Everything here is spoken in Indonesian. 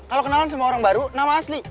kalau kenalan sama orang baru nama asli